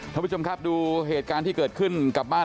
ท่านผู้ชมครับดูเหตุการณ์ที่เกิดขึ้นกับบ้าน